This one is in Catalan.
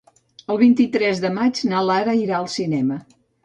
El vint-i-tres de maig na Lara irà al cinema.